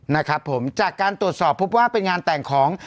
นะครับผมจากการตรวจสอบพบว่าเป็นงานแต่งของ